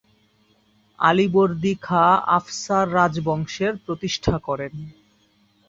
আলীবর্দী খাঁ আফসার রাজবংশের প্রতিষ্ঠা করেন।